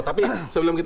tapi sebelum kita